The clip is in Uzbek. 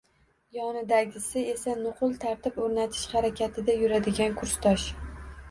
Yonidagisi esa nuqul tartib oʻrnatish harakatida yuradigan kursdosh